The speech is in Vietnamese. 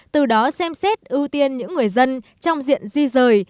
từ đó xem xét ưu tiên những người dân trong diện di rời